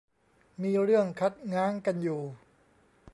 มีเรื่องคัดง้างกันอยู่